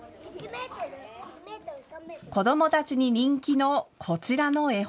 子どもたちに人気のこちらの絵本。